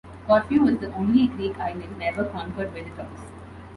Corfu was the only Greek island never conquered by the Turks.